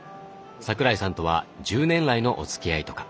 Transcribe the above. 桜井さんとは１０年来のおつきあいとか。